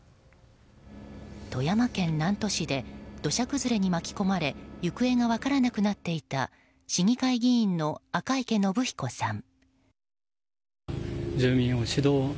富山県南砺市で土砂崩れに巻き込まれ行方が分からなくなっていた市議会議員の赤池伸彦さん。